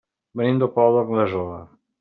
Venim del Palau d'Anglesola.